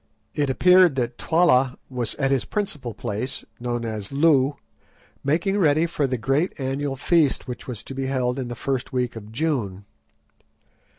It appeared that Twala was at his principal place, known as Loo, making ready for the great annual feast which was to be held in the first week of June.